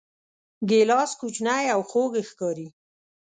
ګیلاس کوچنی او خوږ ښکاري.